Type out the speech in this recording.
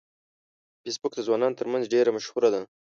فېسبوک د ځوانانو ترمنځ ډیره مشهوره ده